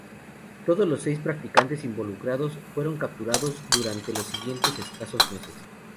Todos los seis practicantes involucrados fueron capturados durante los siguientes escasos meses.